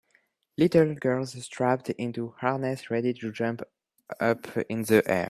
Little girls strapped into harnesses ready to jump up in the air.